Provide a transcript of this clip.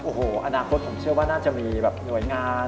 โอ้โหอนาคตผมเชื่อว่าน่าจะมีแบบหน่วยงาน